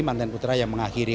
mantan putra yang mengakhiri